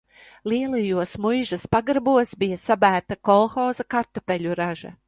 Lielajos muižas pagrabos bija sabērta kolhoza kartupeļu raža.